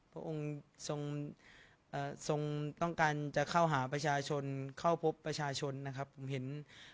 พระองค์ทรงต้องการจะเข้าหาประชาชนเข้าพบประชาชนนะครับผมเห็น